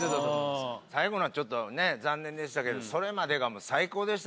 最後のはちょっとね残念でしたけどそれまでが最高でした